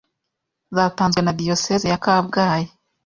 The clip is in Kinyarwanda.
zatanzwe na diyosezi ya Kabgayi